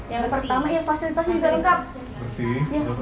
yang pertama ya fasilitasnya bisa lengkap